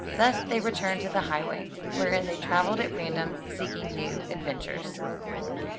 Thus they returned to the high way, wherein they travelled at random, seeking new adventures.